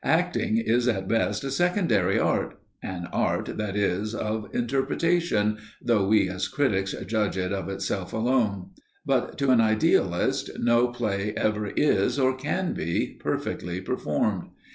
Acting is at best a secondary art an art, that is, of interpretation, though we as critics judge it of itself alone. But, to an idealist, no play ever is, or can be, perfectly performed.